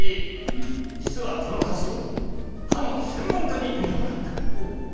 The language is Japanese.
実はこの歌詞を歯の専門家に見てもらった。